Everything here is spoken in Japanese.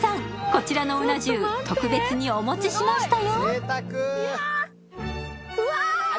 こちらのうな重特別にお持ちしましたよわあ！